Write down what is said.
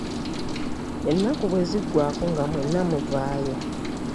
Ennaku bwe ziggwaako nga mwenna muvaayo.